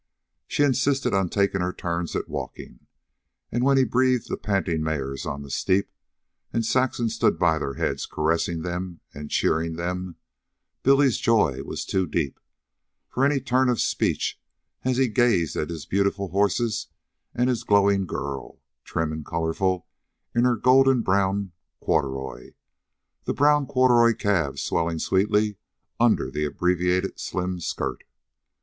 She insisted on taking her turns at walking, and when he breathed the panting mares on the steep, and Saxon stood by their heads caressing them and cheering them, Billy's joy was too deep for any turn of speech as he gazed at his beautiful horses and his glowing girl, trim and colorful in her golden brown corduroy, the brown corduroy calves swelling sweetly under the abbreviated slim skirt.